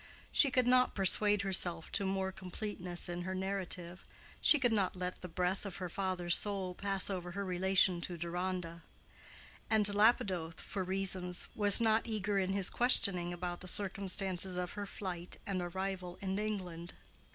She could not persuade herself to more completeness in her narrative: she could not let the breath of her father's soul pass over her relation to Deronda. And Lapidoth, for reasons, was not eager in his questioning about the circumstances of her flight and arrival in England.